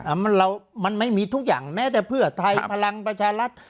มันเรามันไม่มีทุกอย่างแม้แต่เพื่อไทยพลังประชารัฐ